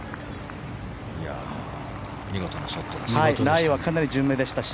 見事なショットですね。